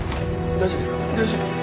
・大丈夫です。